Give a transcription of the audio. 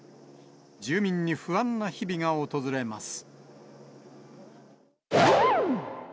住民に不安な日々が訪れます。